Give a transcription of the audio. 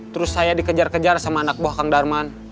terus saya dikejar kejar sama anak buah kang darman